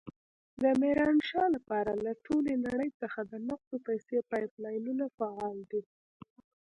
د ميرانشاه لپاره له ټولې نړۍ څخه د نقدو پيسو پایپ لاینونه فعال دي.